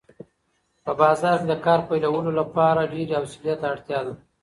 په بازار کې د کار پیلولو لپاره ډېرې حوصلې ته اړتیا ده.